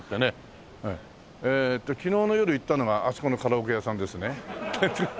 えっと昨日の夜行ったのがあそこのカラオケ屋さんですね。